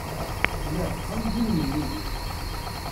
Lliɣ deg uxxam n yiwen n umidi.